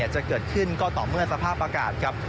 จะเกิดขึ้นก็ต่อเมื่อสภาพอากาศครับ